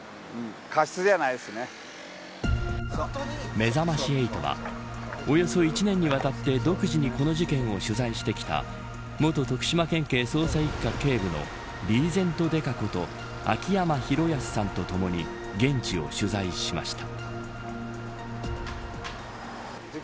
めざまし８はおよそ１年にわたって独自にこの事件を取材してきた元徳島県警捜査一課警部のリーゼント刑事こと秋山博康さんとともに現地を取材しました。